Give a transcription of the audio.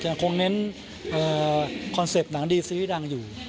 ยังคงเน้นคอนเซ็ปต์หนังดีซีรีส์ดังอยู่